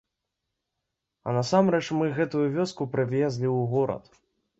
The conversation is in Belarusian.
А насамрэч, мы гэтую вёску прывезлі ў горад.